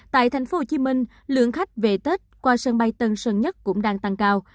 tại tp hcm lượng khách về tết qua sân bay tân sơn nhất cũng đang tăng cao